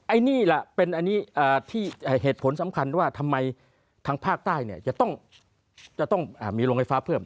อันนี้ล่ะเป็นอันนี้ที่เหตุผลสำคัญว่าทำไมทางภาคใต้เนี่ยจะต้องมีโรงไฟฟ้าเพิ่ม